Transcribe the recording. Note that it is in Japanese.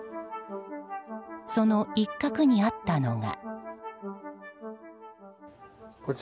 その一角にあったのが。